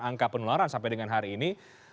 angka penularan sampai dengan hari ini